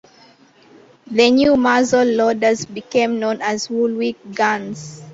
The new muzzle loaders became known as Woolwich guns.